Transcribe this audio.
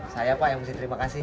saya pak yang mesti terima kasih